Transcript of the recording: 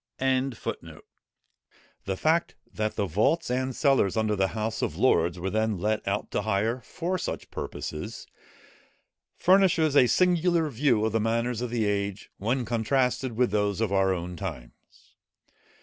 See The Picture of a Papist. 4to. p. 124. 1606.] The fact, that the vaults and cellars under the House of Lords were then let out to hire for such purposes, furnishes a singular view of the manners of the age when contrasted with those of our own times.